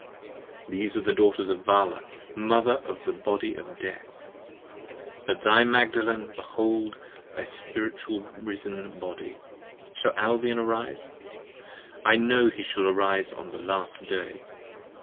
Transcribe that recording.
These are the Daughters of Vala, Mother of the Body of death: But I thy Magdalen behold thy Spiritual Risen Body. 15 Shall Albion arise? I know he shall arise at the Last Day!